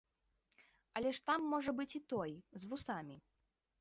Але ж там можа быць і той, з вусамі.